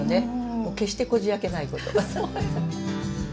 決してこじあけないこと。